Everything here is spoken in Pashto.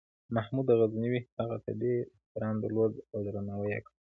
محمود غزنوي هغه ته ډېر احترام درلود او درناوی یې کاوه.